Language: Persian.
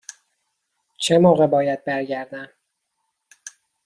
چه موقع باید برگردم؟